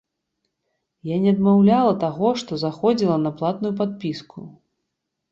Я не адмаўляла таго, што заходзіла на платную падпіску.